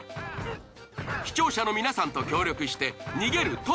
視聴者の皆さんと協力して逃げる